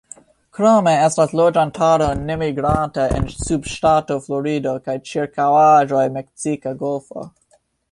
Krome estas loĝantaro nemigranta en subŝtato Florido kaj ĉirkaŭaĵoj -Meksika golfo-.